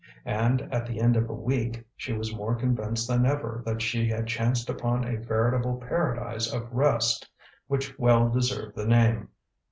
And at the end of a week, she was more convinced than ever that she had chanced upon a veritable paradise of rest, which well deserved the name.